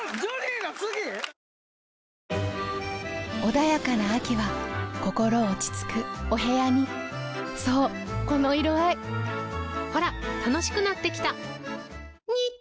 穏やかな秋は心落ち着くお部屋にそうこの色合いほら楽しくなってきた！